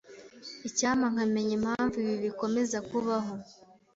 Icyampa nkamenya impamvu ibi bikomeza kubaho.